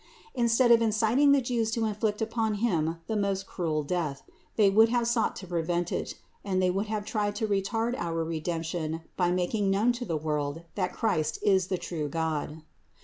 Instead of inciting the Jews to inflict upon Him the most cruel death, they would have sought to prevent it, and they would have tried to retard our Redemption by making known to the world that Christ is the true God.